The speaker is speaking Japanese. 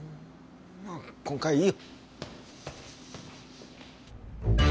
まあ今回はいいよ。